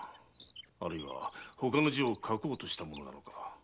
あるいはほかの字を書こうとしたのだろうか？